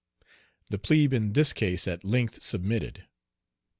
The plebe in this case at length submitted.